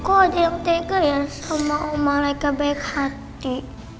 kok ada yang tega ya sama umat mereka baik hati